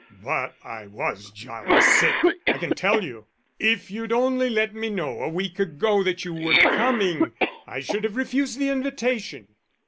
"But I was jolly sick, I can tell you. If you'd only let me know a week ago that you were coming, I should have refused the invitation."